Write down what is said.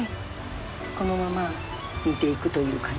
このまま煮ていくという感じですかね。